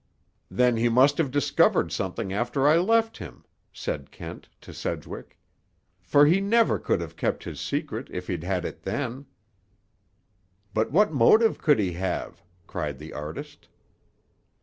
"Then he must have discovered something after I left him," said Kent to Sedgwick, "for he never could have kept his secret if he'd had it then." "But what motive could he have?" cried the artist.